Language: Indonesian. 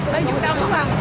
baju baju bang